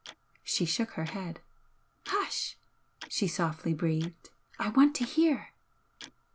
She shook her head. "Hush!" she softly breathed "I want to hear!"